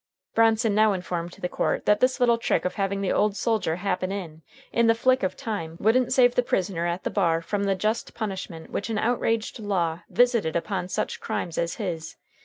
Bronson now informed the court that this little trick of having the old soldier happen in, in the flick of time, wouldn't save the prisoner at the bar from the just punishment which an outraged law visited upon such crimes as his.